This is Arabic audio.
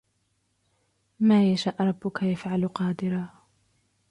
ما يشأ ربك يفعل قادرا